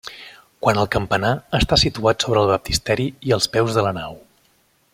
Quant al campanar, està situat sobre el baptisteri, als peus de la nau.